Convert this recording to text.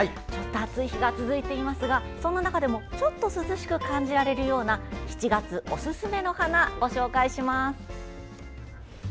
暑い日が続いていますがそんな中でもちょっと涼しく感じられるような７月おすすめの花をご紹介します。